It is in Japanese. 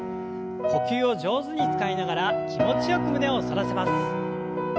呼吸を上手に使いながら気持ちよく胸を反らせます。